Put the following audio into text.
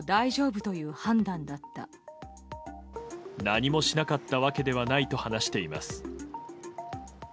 何もしなかったわけではないと話しています。